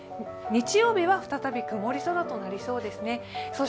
日曜日は再び曇り空となりそうですね。